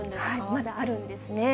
まだあるんですね。